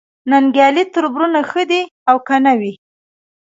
ننګیالي تربرونه ښه دي او که نه وي